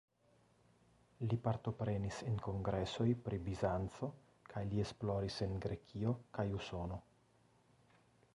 Li partoprenis en kongresoj pri Bizanco kaj li esploris en Grekio kaj Usono.